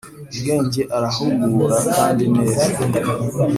Bwenge arahugura kndi neza